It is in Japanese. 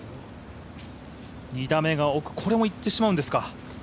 ２打目が奥、これもいってしまうんですか？